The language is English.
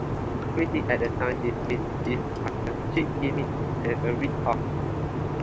Critics at the time dismissed this as a cheap gimmick and a rip-off.